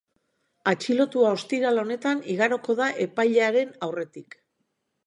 Atxilotua ostiral honetan igaroko da epailearen aurretik.